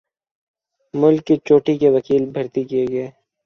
ملک کے چوٹی کے وکیل بھرتی کیے گئے۔